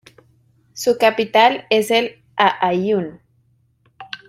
Su capital es El Aaiún.